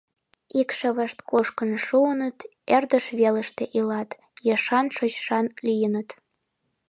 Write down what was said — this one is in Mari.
Икшывышт кушкын шуыныт, ӧрдыж велыште илат, ешан-шочшан лийыныт.